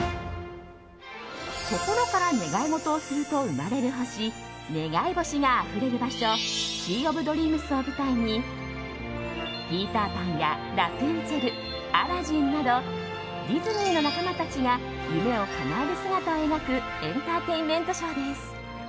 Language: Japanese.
心から願い事をすると生まれる星願い星があふれる場所シー・オブ・ドリームスを舞台にピーター・パンやラプンツェルアラジンなどディズニーの仲間たちが夢をかなえる姿を描くエンターテインメントショーです。